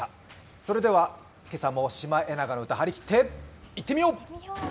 それでは今朝も「シマエナガの歌」はりきっていってみよう！